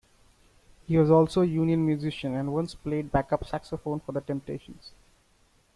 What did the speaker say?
He was also a union musician, and once played backup saxophone for The Temptations.